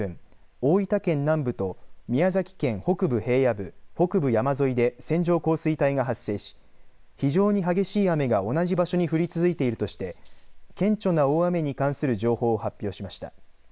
大分県南部と宮崎県北部平野部北部山沿いで線状降水帯が発生し非常に激しい雨が同じ場所に降り続いているとして顕著な大雨に関する情報を発表しました。